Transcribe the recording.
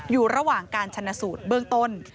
อยู่ระหว่างการชนะสูตรเบื้องต้น